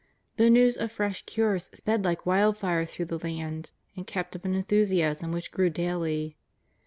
The news of fresh cures sped like wildfire through the land, and kept up an enthusiasm which grew daily.